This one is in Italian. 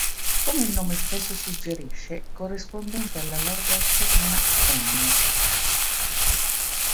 Come il nome stesso suggerisce corrispondente alla larghezza di una "N".